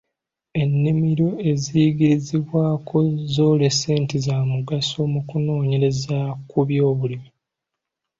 Ennimiro eziyigirizibwako zoolese nti za mugaso mu kunoonyere za ku byobulimi.